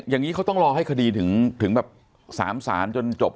อย่างนี้เขาต้องรอให้คดีถึงแบบ๓ศาลจนจบ